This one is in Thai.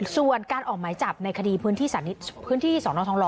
ส่วนการออกหมายจับในคดีพื้นที่สอนอทองหล